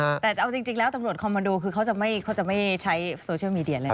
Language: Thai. แต่เอาจริงแล้วตำรวจคอมมันโดคือเขาจะไม่ใช้โซเชียลมีเดียแล้ว